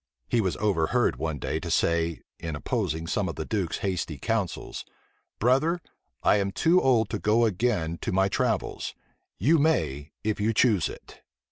He was over heard one day to say, in opposing some of the duke's hasty counsels, "Brother, I am too old to go again to my travels: you may, if you choose it."